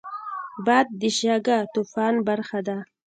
باد د شګهطوفان برخه ده